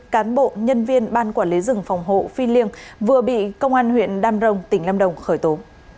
cán bộ nhân viên ban quản lý rừng phòng hộ phi liêng vừa bị công an huyện đam rồng tỉnh lâm đồng khởi tố